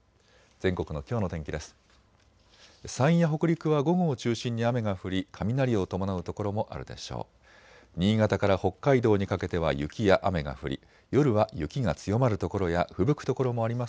全国のきょうの天気です。